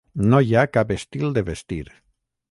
No hi ha cap estil de vestir.